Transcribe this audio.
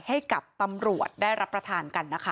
ให้กับตำรวจได้รับประทานกันนะคะ